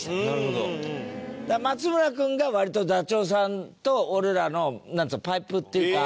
だから松村君が割とダチョウさんと俺らのなんつうのパイプっていうか。